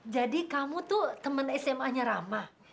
jadi kamu tuh teman sma nya rama